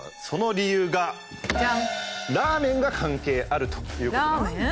その理由が「ラーメン」が関係あるということなんです。